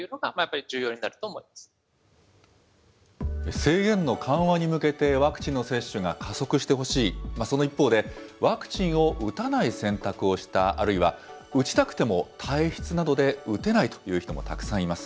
制限の緩和に向けて、ワクチンの接種が加速してほしい、その一方で、ワクチンを打たない選択をした、あるいは打ちたくても体質などで打てないという人もたくさんいます。